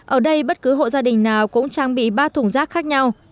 ở đây bất cứ hộ gia đình nào cũng trang bị ba thùng rác khác nhau